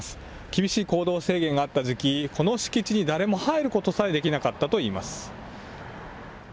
厳しい行動制限があった時期、この敷地に誰も入ることさえできなかったといいます。